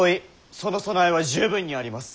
その備えは十分にあります。